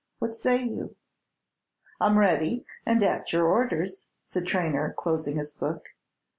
What say you?" "I'm ready, and at your orders," said Traynor, closing his book.